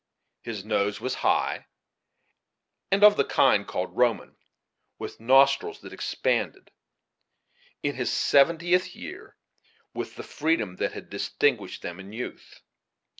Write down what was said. His nose was high, and of the kind called Roman, with nostrils that expanded, in his seventieth year, with the freedom that had distinguished them in youth.